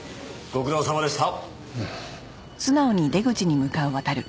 ご苦労さまでした。